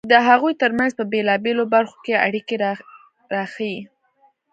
د هغوی ترمنځ په بېلابېلو برخو کې اړیکې راښيي.